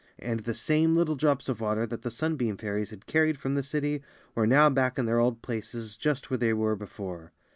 And the same little drops of water that the sunbeam fairies had carried from the city were now back in their old places just where they were before.